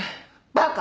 バカ！